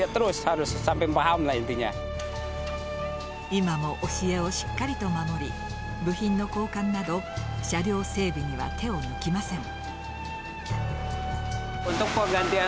今も教えをしっかりと守り部品の交換など車両整備には手を抜きません。